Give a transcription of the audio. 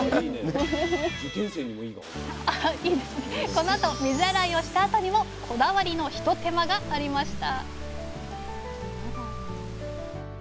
このあと水洗いをした後にもこだわりのひと手間がありました